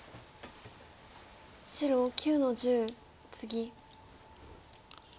白９の十ツギ。